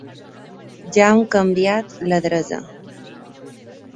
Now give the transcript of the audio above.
Ja hem canviat l'adreça.